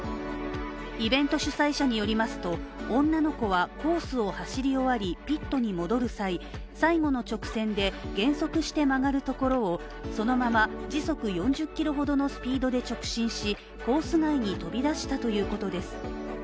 イベント主催者によりますと女の子はコースを走り終わりピットに戻る際、最後の直線で減速して曲がるところをそのまま時速４０キロほどのスピードで直進しコース外に飛び出したということです。